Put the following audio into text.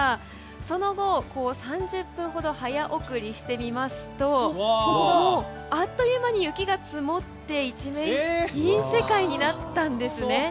その後、３０分ほど早送りしてみますとあっという間に雪が積もって一面銀世界になったんです。